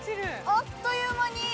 あっという間に。